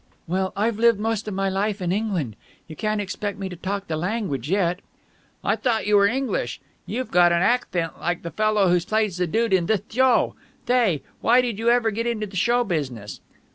"Well, I've lived most of my life in England. You can't expect me to talk the language yet." "I thought you were English. You've got an acthent like the fellow who plays the dude in thith show. Thay, why did you ever get into the show business?"